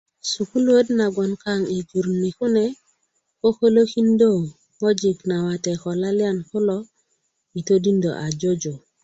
sukulluwöt na gboŋ kanŋ i jur ni kune kökölökindö ŋojik nawate ko laliyan kulo yi todindö a jojo